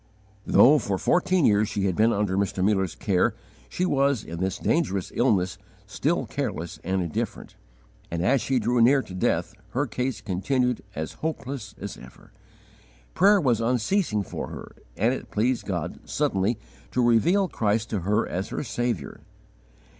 Though, for fourteen years, she had been under Mr. Muller's care, she was, in this dangerous illness, still careless and indifferent; and, as she drew near to death, her case continued as hopeless as ever. Prayer was unceasing for her; and it pleased God suddenly to reveal Christ to her as her Saviour.